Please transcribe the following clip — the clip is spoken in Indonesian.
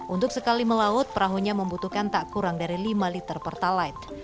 untuk sekali melaut perahunya membutuhkan tak kurang dari lima liter pertalite